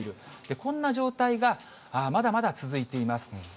こんな状態がまだまだ続いています。